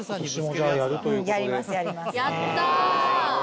やった！